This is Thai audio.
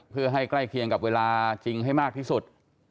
เพื่อให้ใกล้เคียงกับเวลาจริงให้มากที่สุด